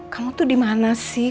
kamu tuh dimana sih